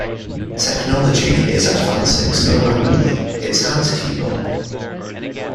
Technology is advancing so rapidly, it's hard to keep up.